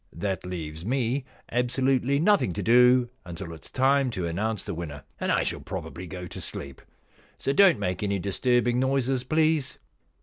That leaves me absolutely nothing to do until it is time to announce the winner, and I shall probably go to sleep. So don't make any disturbing noises, please.